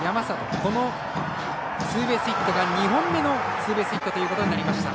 このツーベースヒットが２本目のツーベースヒットとなりました。